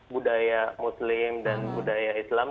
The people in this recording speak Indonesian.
budaya muslim dan budaya islam